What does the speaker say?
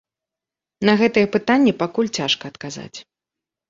На гэтае пытанне пакуль цяжка адказаць.